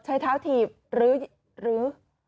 เฉยเท้าเถียบรื้อ